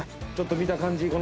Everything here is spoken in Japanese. ちょっと見た感じ